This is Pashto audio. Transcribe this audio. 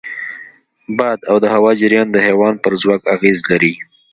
باد او د هوا جریان د حیوان پر ځواک اغېز لري.